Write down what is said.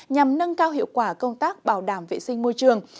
nhằm nâng cao hiệu quả công tác bảo đảm vệ sinh môi trường